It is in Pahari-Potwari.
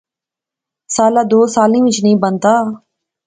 سالا دو سالیں وچ نی بنتا